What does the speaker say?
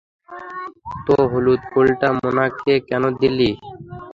তাে, হলুদ ফুলটা মোনাকে কেন দিলি?